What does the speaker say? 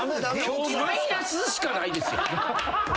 マイナスしかないですよ。